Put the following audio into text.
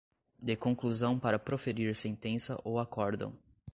de conclusão para proferir sentença ou acórdão